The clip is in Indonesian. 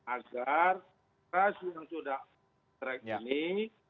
agar tas yang sudah track ini